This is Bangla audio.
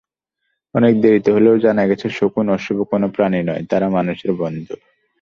অনেক দেরিতে হলেও জানা গেছে শকুন অশুভ কোনো পাখি নয়, তারা মানুষের বন্ধু।